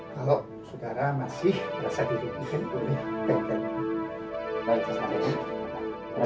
kalau saudara masih berasa diri mungkin boleh pegang